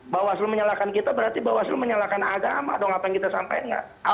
bawas lu menyalahkan kita berarti bawas lu menyalahkan agama dong apa yang kita sampaikan nggak